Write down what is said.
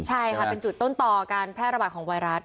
ใช่ค่ะเป็นจุดต้นต่อการแพร่ระบาดของไวรัส